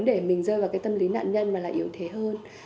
để mình rơi vào cái tâm lý nạn nhân mà là yếu thế hơn